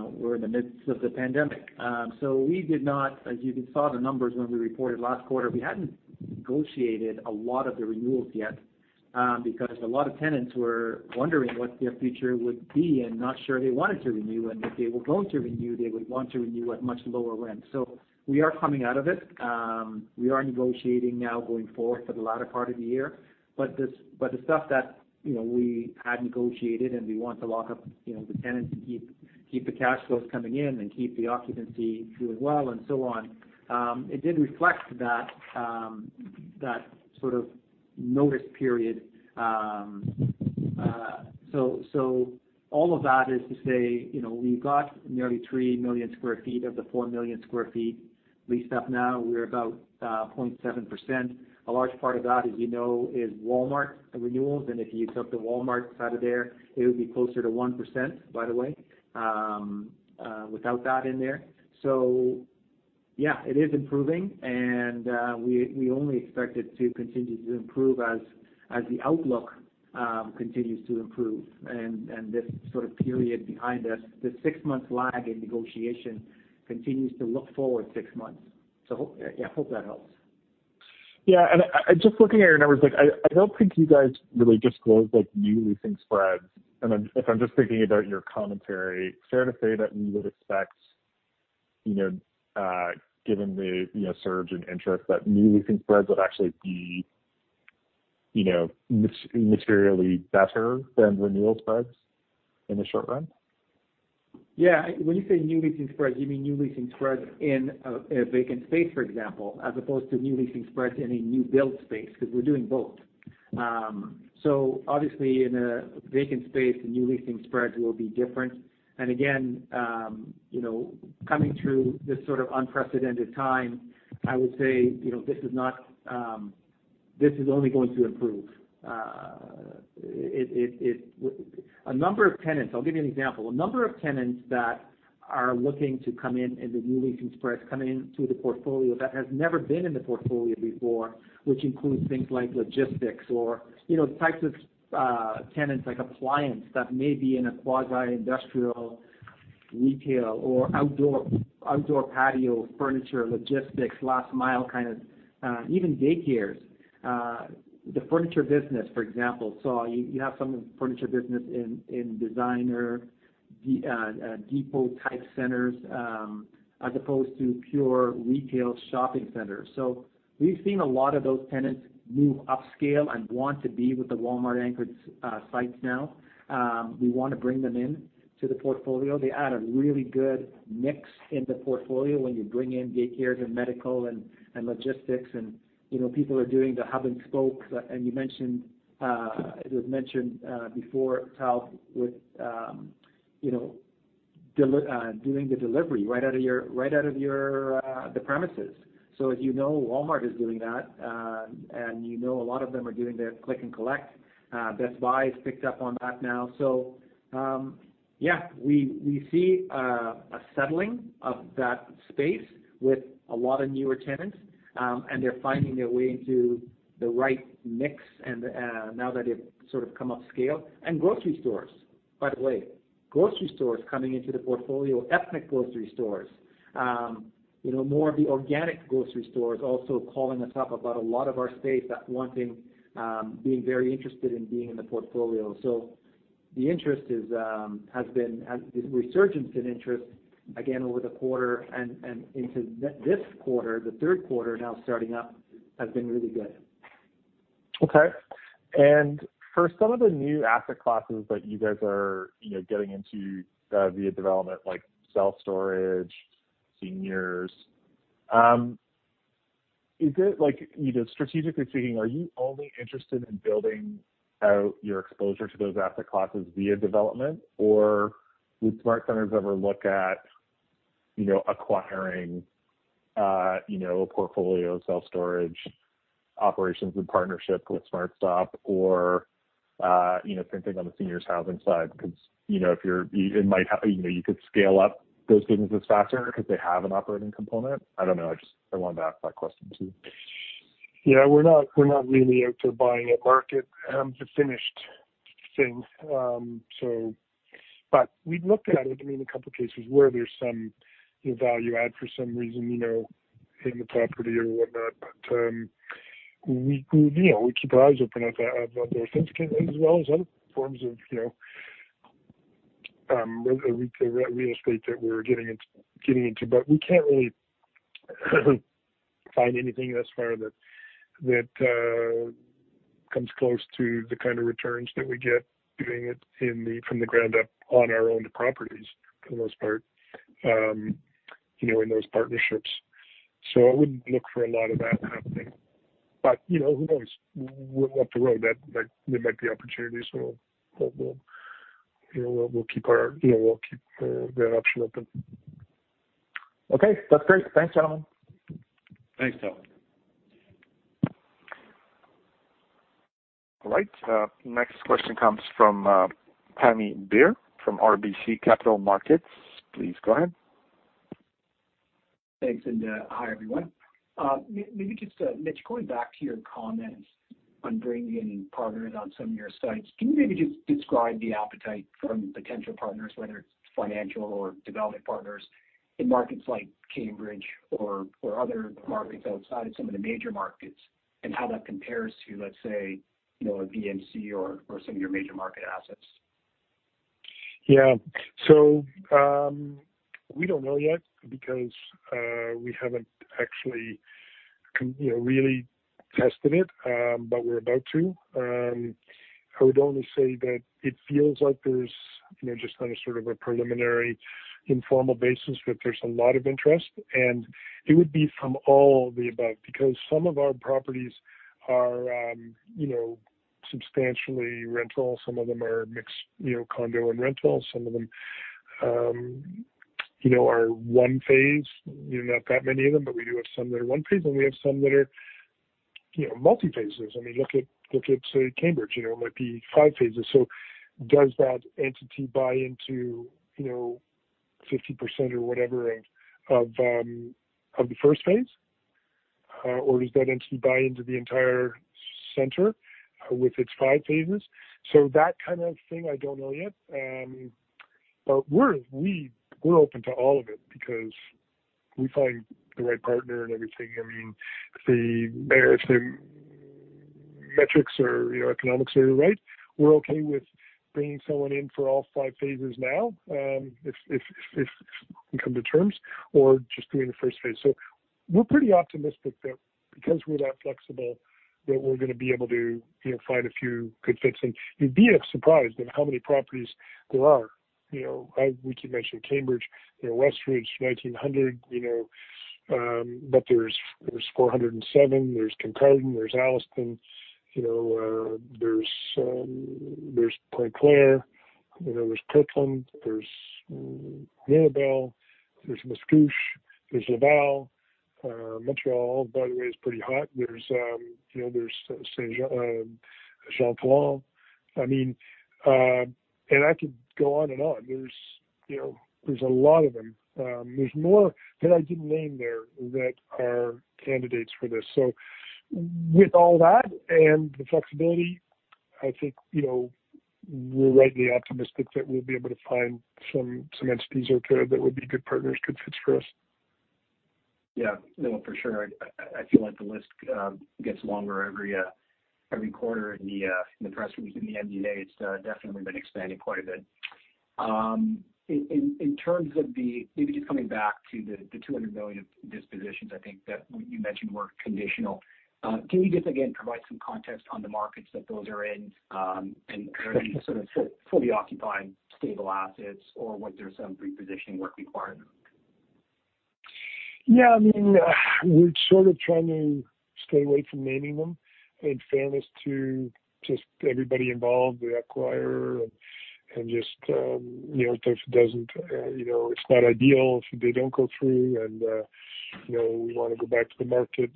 were in the midst of the pandemic. We did not, as you saw the numbers when we reported last quarter, we hadn't negotiated a lot of the renewals yet because a lot of tenants were wondering what their future would be and not sure they wanted to renew, and if they were going to renew, they would want to renew at much lower rents. We are coming out of it. We are negotiating now going forward for the latter part of the year. The stuff that we had negotiated, and we want to lock up the tenants to keep the cash flows coming in and keep the occupancy doing well and so on, it did reflect that sort of notice period. All of that is to say, we've got nearly three million sq ft of the four million sq ft leased up now. We're about 0.7%. A large part of that, as you know, is Walmart renewals. If you took the Walmart side of there, it would be closer to 1%, by the way, without that in there. Yeah, it is improving, and we only expect it to continue to improve as the outlook continues to improve and this sort of period behind us. The six-month lag in negotiation continues to look forward six months. Yeah, hope that helps. Yeah. Just looking at your numbers, I don't think you guys really disclose new leasing spreads. If I'm just thinking about your commentary, fair to say that we would expect, given the surge in interest, that new leasing spreads would actually be materially better than renewal spreads in the short run? Yeah. When you say new leasing spreads, you mean new leasing spreads in a vacant space, for example, as opposed to new leasing spreads in a new build space, because we're doing both. Obviously in a vacant space, new leasing spreads will be different. Again, coming through this sort of unprecedented time, I would say this is only going to improve. A number of tenants, I'll give you an example. A number of tenants that are looking to come in in the new leasing spreads, come into the portfolio that has never been in the portfolio before, which includes things like logistics or types of tenants like appliance that may be in a quasi-industrial retail or outdoor patio furniture, logistics, last mile kind of Even daycares. The furniture business, for example. You have some of the furniture business in designer depot type centers, as opposed to pure retail shopping centers. We've seen a lot of those tenants move upscale and want to be with the Walmart anchored sites now. We want to bring them in to the portfolio. They add a really good mix in the portfolio when you bring in daycares and medical and logistics and people are doing the hub and spokes. It was mentioned before, Tal, with doing the delivery right out of the premises. As you know, Walmart is doing that. You know a lot of them are doing their click and collect. Best Buy has picked up on that now. Yeah, we see a settling of that space with a lot of newer tenants. They're finding their way into the right mix now that they've sort of come upscale. Grocery stores, by the way. Grocery stores coming into the portfolio, ethnic grocery stores. More of the organic grocery stores also calling us up about a lot of our space, being very interested in being in the portfolio. The resurgence in interest again over the quarter and into this quarter, the third quarter now starting up, has been really good. Okay. For some of the new asset classes that you guys are getting into via development, like self-storage, seniors. Strategically speaking, are you only interested in building out your exposure to those asset classes via development, or would SmartCentres ever look at acquiring a portfolio of self-storage operations in partnership with SmartStop? Same thing on the seniors housing side, because you could scale up those businesses faster because they have an operating component. I don't know. I just wanted to ask that question, too. Yeah, we're not really out to buying at market the finished thing. We've looked at it in a couple of cases where there's some value add for some reason in the property or whatnot. We keep our eyes open at that, as well as other forms of real estate that we're getting into. We can't really find anything thus far that comes close to the kind of returns that we get doing it from the ground up on our own properties, for the most part, in those partnerships. I wouldn't look for a lot of that happening. Who knows? Up the road, there might be opportunities, so we'll keep that option open. Okay. That's great. Thanks, Alan. Thanks, Alan. All right. Next question comes from Pammi Bir from RBC Capital Markets. Please go ahead. Thanks. Hi, everyone. Mitch, going back to your comments on bringing in partners on some of your sites, can you maybe just describe the appetite from potential partners, whether it's financial or development partners, in markets like Cambridge or other markets outside of some of the major markets, and how that compares to, let's say, a VMC or some of your major market assets? Yeah. We don't know yet because we haven't actually really tested it, but we're about to. I would only say that it feels like there's just on a sort of a preliminary informal basis that there's a lot of interest, and it would be from all of the above. Because some of our properties are substantially rental, some of them are mixed condo and rental, some of them are one phase, not that many of them, but we do have some that are one phase, and we have some that are multiphases. Look at, say, Cambridge, it might be five phases. Does that entity buy into 50% or whatever of the first phase? Does that entity buy into the entire center with its fives phases? That kind of thing, I don't know yet. We're open to all of it because we find the right partner and everything. If the metrics or economics are right, we're okay with bringing someone in for all 5 phases now, if we come to terms or just doing the first phase. We're pretty optimistic that because we're that flexible, that we're going to be able to find a few good fits, and you'd be surprised at how many properties there are. We keep mentioning Cambridge, West Ridge, 1900, but there's 407, there's Kemptville, there's Alliston. There's Pointe-Claire, there's Kirkland, there's Mirabel, there's Mascouche, there's Laval. Montreal, by the way, is pretty hot. There's Saint-Jean-Paul. I could go on and on. There's a lot of them. There's more that I didn't name there that are candidates for this. With all that and the flexibility, I think we're rightly optimistic that we'll be able to find some entities out there that would be good partners, good fits for us. Yeah. No, for sure. I feel like the list gets longer every quarter in the press release, in the MD&A, it's definitely been expanding quite a bit. In terms of maybe just coming back to the 200 million of dispositions I think that you mentioned were conditional. Can you just again provide some context on the markets that those are in and are they sort of fully occupying stable assets or was there some repositioning work required? Yeah. We're sort of trying to stay away from naming them in fairness to just everybody involved, the acquirer and just it's not ideal if they don't go through and we want to go back to the market.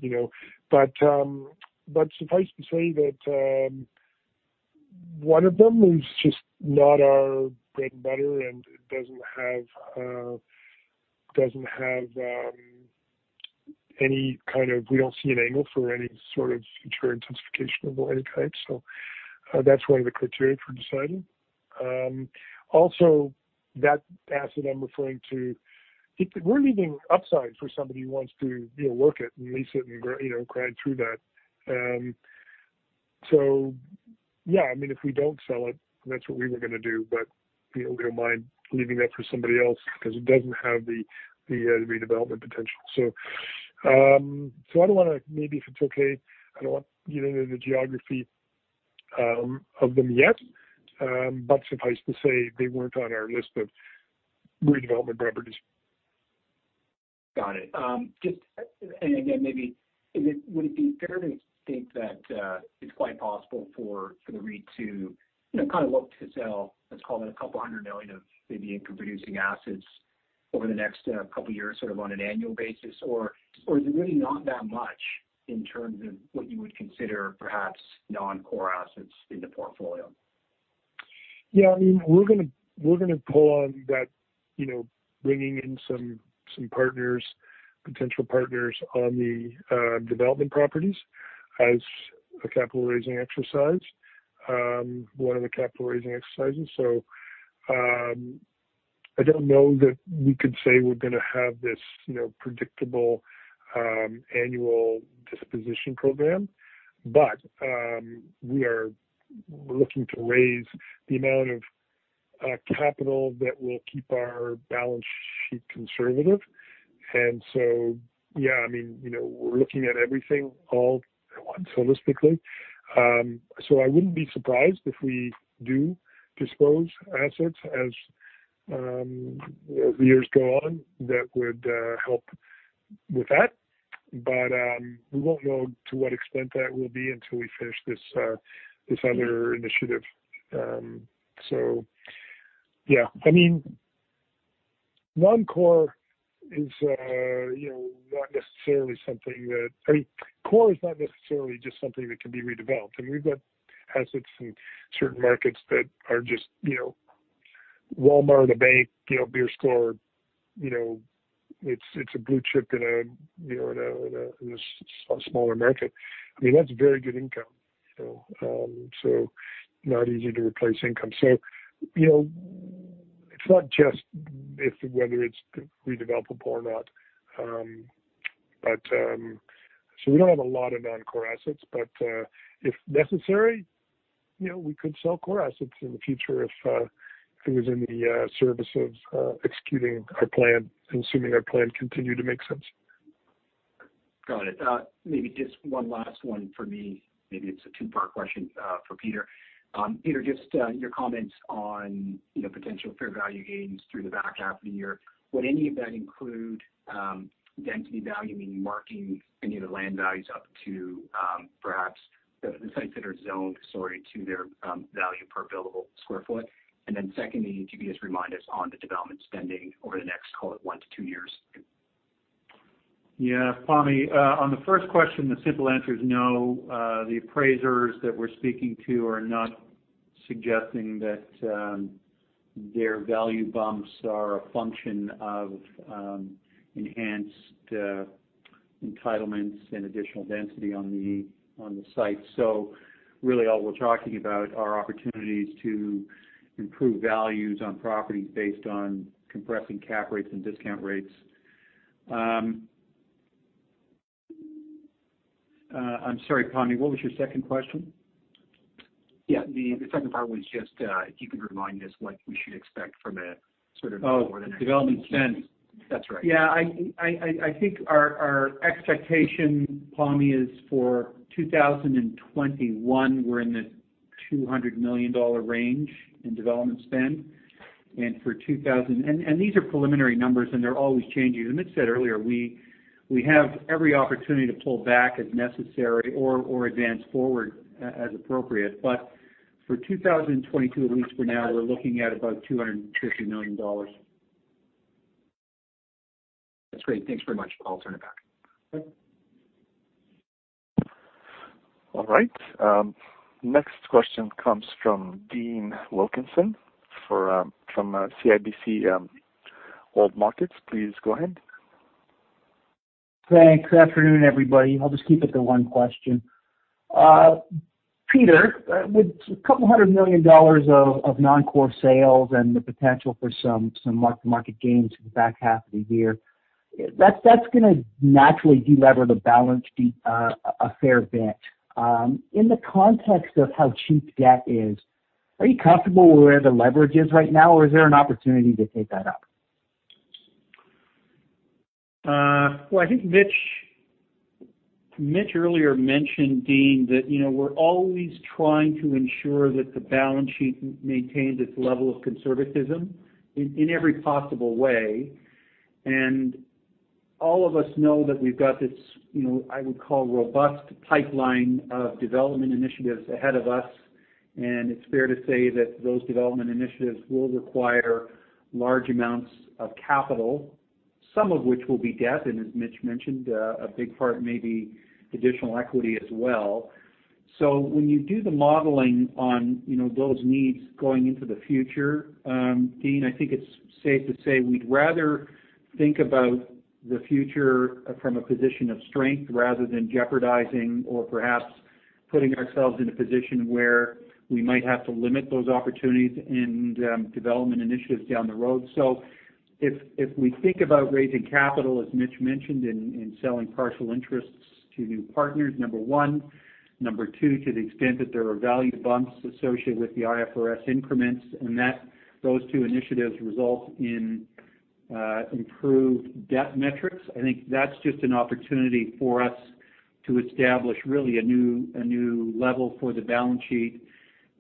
Suffice to say that one of them is just not our bread and butter, and it doesn't have any sort of future intensification of any type. That's one of the criteria for deciding. Also, that asset I'm referring to, we're leaving upside for somebody who wants to look at and lease it and grind through that. Yeah, if we don't sell it, that's what we were going to do. We don't mind leaving that for somebody else because it doesn't have the redevelopment potential. Maybe if it's okay, I don't want to get into the geography of them yet. Suffice to say, they weren't on our list of redevelopment properties. Got it. Again, maybe would it be fair to think that it's quite possible for the REIT to look to sell, let's call it 200 million of maybe income-producing assets over the next 2 years, sort of on an annual basis? Or is it really not that much in terms of what you would consider perhaps non-core assets in the portfolio? We're going to pull on that bringing in some potential partners on the development properties as a capital raising exercise, one of the capital raising exercises. I don't know that we could say we're going to have this predictable annual disposition program. We are looking to raise the amount of capital that will keep our balance sheet conservative. We're looking at everything all at once holistically. I wouldn't be surprised if we do dispose assets as the years go on. That would help with that. We won't know to what extent that will be until we finish this other initiative. Core is not necessarily just something that can be redeveloped. We've got assets in certain markets that are just Walmart, a bank, Beer Store. It's a blue chip in a smaller market. That's very good income. Not easy to replace income. It's not just whether it's redevelopable or not. We don't have a lot of non-core assets, but if necessary, we could sell core assets in the future if it was in the service of executing our plan, assuming our plan continue to make sense. Got it. Maybe just one last one for me. Maybe it's a two-part question for Peter. Peter, just your comments on potential fair value gains through the back half of the year. Would any of that include density value, meaning marking any of the land values up to perhaps the sites that are zoned, sorry, to their value per buildable square foot? Secondly, can you just remind us on the development spending over the next, call it one to two years? Pammi, on the first question, the simple answer is no. The appraisers that we're speaking to are not suggesting that their value bumps are a function of enhanced entitlements and additional density on the site. Really all we're talking about are opportunities to improve values on properties based on compressing cap rates and discount rates. I'm sorry, Pammi, what was your second question? Yeah. The second part was just if you could remind us what we should expect from a sort of? Oh, development spend. That's right. Yeah. I think our expectation, Pammi, is for 2021, we're in the 200 million dollar range in development spend. These are preliminary numbers, and they're always changing. Mitchell said earlier, we have every opportunity to pull back as necessary or advance forward as appropriate. For 2022, at least for now, we're looking at about 250 million dollars. That's great. Thanks very much. I'll turn it back. Okay. All right. Next question comes from Dean Wilkinson from CIBC World Markets. Please go ahead. Thanks. Good afternoon, everybody. I'll just keep it to one question. Peter, with CAD couple 100 million dollars of non-core sales and the potential for some market gains for the back half of the year, that's going to naturally de-lever the balance sheet a fair bit. In the context of how cheap debt is, are you comfortable where the leverage is right now, or is there an opportunity to take that up? Well, I think Mitch earlier mentioned, Dean, that we're always trying to ensure that the balance sheet maintains its level of conservatism in every possible way. All of us know that we've got this, I would call, robust pipeline of development initiatives ahead of us, and it's fair to say that those development initiatives will require large amounts of capital. Some of which will be debt, and as Mitch mentioned, a big part may be additional equity as well. When you do the modeling on those needs going into the future, Dean, I think it's safe to say we'd rather think about the future from a position of strength rather than jeopardizing or perhaps putting ourselves in a position where we might have to limit those opportunities and development initiatives down the road. If we think about raising capital, as Mitch mentioned, in selling partial interests to new partners, number one. Number two, to the extent that there are value bumps associated with the IFRS increments, and those two initiatives result in improved debt metrics, I think that's just an opportunity for us to establish really a new level for the balance sheet.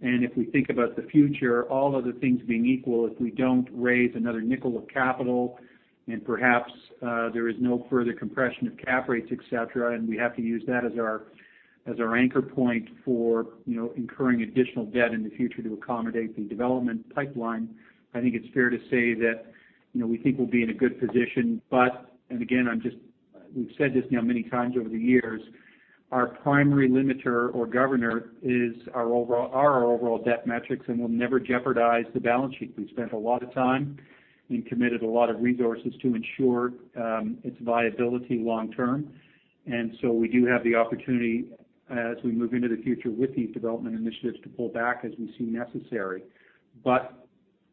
If we think about the future, all other things being equal, if we don't raise another nickel of capital and perhaps there is no further compression of cap rates, et cetera, and we have to use that as our anchor point for incurring additional debt in the future to accommodate the development pipeline, I think it's fair to say that we think we'll be in a good position. We've said this now many times over the years, our primary limiter or governor are our overall debt metrics, and we'll never jeopardize the balance sheet. We've spent a lot of time and committed a lot of resources to ensure its viability long-term. We do have the opportunity as we move into the future with these development initiatives to pull back as we see necessary.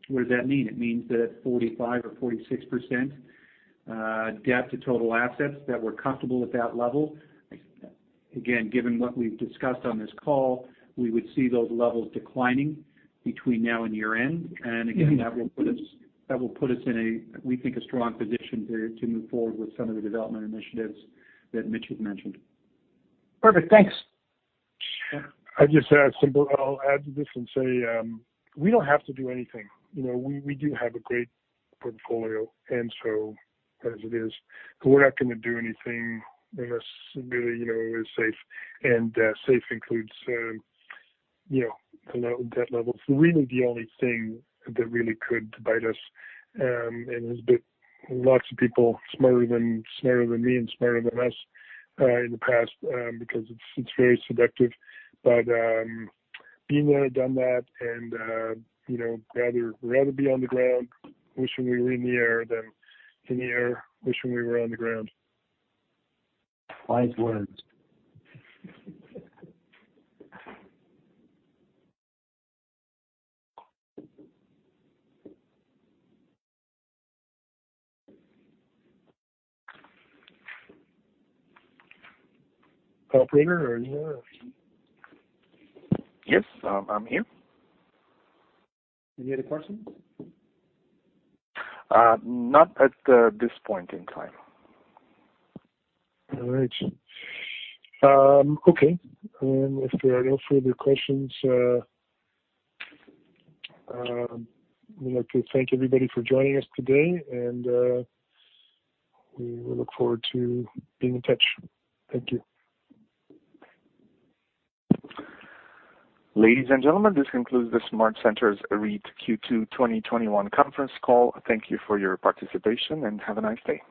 What does that mean? It means that at 45% or 46% debt to total assets, that we're comfortable at that level. Again, given what we've discussed on this call, we would see those levels declining between now and year-end. That will put us in, we think, a strong position to move forward with some of the development initiatives that Mitch had mentioned. Perfect. Thanks. Sure. I'll just add to this and say, we don't have to do anything. We do have a great portfolio and so as it is, we're not going to do anything unless it is safe, and safe includes debt levels. Really the only thing that really could bite us, and has bit lots of people smarter than me and smarter than us in the past because it's very seductive. Been there, done that and rather be on the ground wishing we were in the air, than in the air wishing we were on the ground. Wise words. Operator, are you there? Yes, I'm here. Any other questions? Not at this point in time. All right. Okay. If there are no further questions, we'd like to thank everybody for joining us today, and we look forward to being in touch. Thank you. Ladies and gentlemen, this concludes the SmartCentres REIT Q2 2021 conference call. Thank you for your participation, and have a nice day.